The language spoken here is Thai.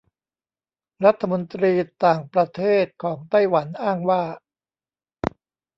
รัฐมนตรีต่างประเทศของไต้หวันอ้างว่า